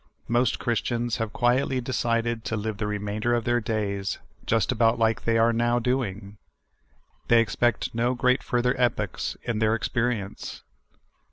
Most Christians have quietly decided to live the re mainder of their days just about like they are now doing. They expect no further great epochs in their experience.